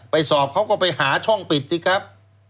สอบเขาก็ไปหาช่องปิดสิครับ